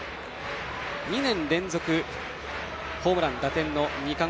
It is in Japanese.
２年連続ホームラン、打点の２冠。